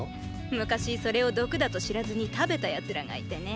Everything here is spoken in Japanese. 昔それを毒だと知らずに食べた奴らがいてね。